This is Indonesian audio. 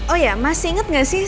oh ya masih ingat nggak sih